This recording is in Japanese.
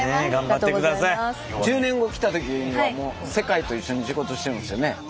１０年後来た時にはもう世界と一緒に仕事してるんですよね？